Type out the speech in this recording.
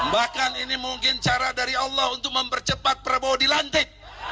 bahkan ini mungkin cara dari allah untuk mempercepat prabowo dilantik